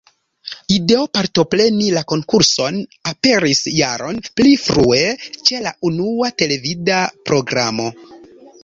Ideo partopreni la konkurson aperis jaron pli frue, ĉe la unua televida programo.